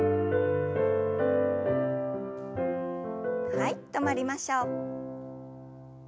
はい止まりましょう。